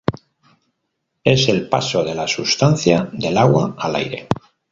Es el paso de la sustancia del agua al aire.